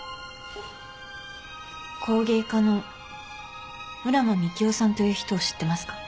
工芸家の浦真幹夫さんという人を知ってますか？